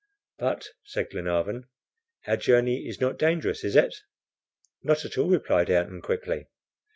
"But," said Glenarvan, "our journey is not dangerous, is it?" "Not at all," replied Ayrton, quickly.